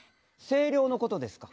声量のことですか？